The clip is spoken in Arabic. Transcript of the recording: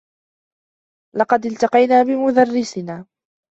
لقد التقينا بمدرّسنا.